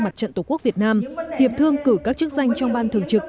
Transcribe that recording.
mặt trận tổ quốc việt nam hiệp thương cử các chức danh trong ban thường trực